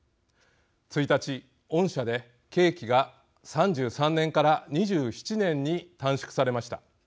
１日、恩赦で刑期が３３年から２７年に短縮されました。